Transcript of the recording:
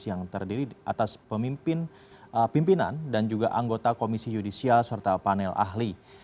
yang terdiri atas pemimpin pimpinan dan juga anggota komisi yudisial serta panel ahli